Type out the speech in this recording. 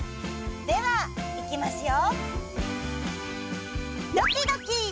ではいきますよ。